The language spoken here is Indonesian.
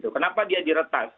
kenapa dia diretas